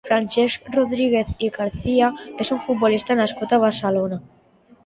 Francesc Rodríguez i García és un futbolista nascut a Barcelona.